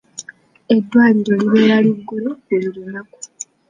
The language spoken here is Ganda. Eddwaliro libeera liggule buli lunaku.